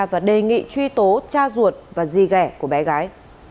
và đề nghị truy tố cha ruột và di gẻ của bé gái